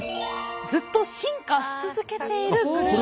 ずっと「進化」し続けているグループ。